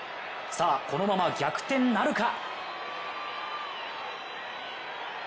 さあ、このまま逆転なるか。